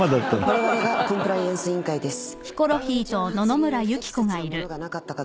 われわれがコンプライアンス委員会です。